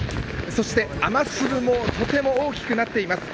そして雨粒もとても大きくなっています。